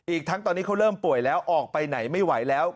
อีกทั้งตอนนี้เขาเริ่มป่วยแล้วออกไปไหนไม่ไหวแล้ว